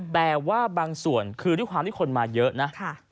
แต่ว่าบางส่วนคือด้วยความที่คนมาเยอะนะ